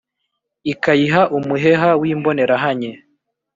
Ikayiha umuheha w’ imboneranye